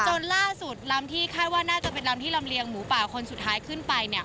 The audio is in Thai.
จนล่าสุดลำที่คาดว่าน่าจะเป็นลำที่ลำเลียงหมูป่าคนสุดท้ายขึ้นไปเนี่ย